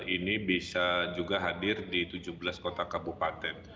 ini bisa juga hadir di tujuh belas kota kabupaten